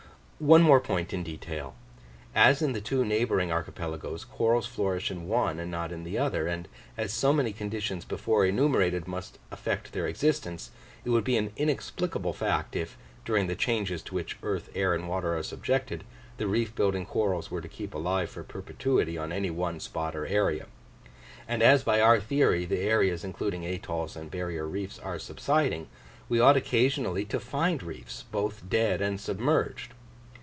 One more point in detail: as in the two neighbouring archipelagoes corals flourish in one and not in the other, and as so many conditions before enumerated must affect their existence, it would be an inexplicable fact if, during the changes to which earth, air, and water are subjected, the reef building corals were to keep alive for perpetuity on any one spot or area. And as by our theory the areas including atolls and barrier reefs are subsiding, we ought occasionally to find reefs both dead and submerged.